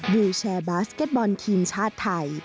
วิวแชร์บาสเก็ตบอลทีมชาติไทย